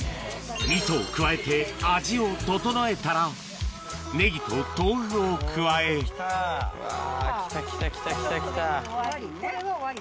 味噌を加えて味を調えたらネギと豆腐を加えうわきたきたきた。